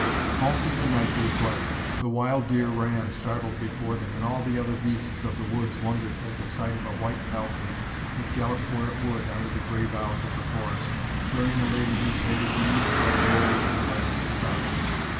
All through the night they fled. The wild deer ran, startled, before them, and all the other beasts of the woods wondered at the sight of a white palfrey that galloped where it would under the grey boughs of the forest, carrying a lady whose hair gleamed like gold in the light of the stars.